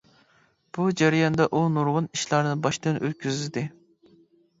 بۇ جەرياندا ئۇ نۇرغۇن ئىشلارنى باشتىن ئۆتكۈزدى.